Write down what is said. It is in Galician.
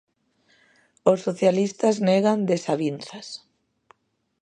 Os socialistas negan desavinzas.